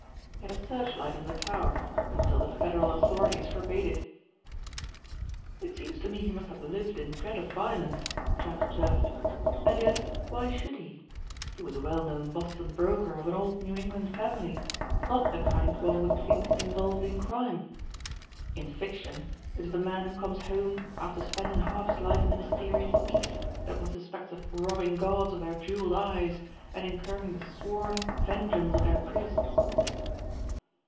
He had a searchlight on the tower until the Federal authorities forbade it." "It seems to me he must have lived in dread of violence," Trent observed, "and yet why should he? He was a well known Boston broker of an old New England family, not the kind one would think involved in crime. In fiction it is the man who comes home after spending half his life in the mysterious East that one suspects of robbing gods of their jeweled eyes and incurring the sworn vengeances of their priests."